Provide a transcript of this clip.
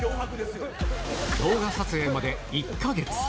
動画撮影まで１か月。